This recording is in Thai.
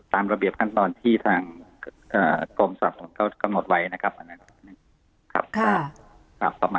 ตามระเบียบขั้นตอนที่ทางอ่ากรมสรรค์เขาก็กำหนดไว้นะครับอันนั้นครับค่ะ